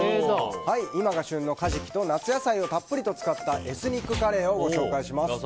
今が旬のカジキと夏野菜をたっぷりと使ったエスニックカレーをご紹介します。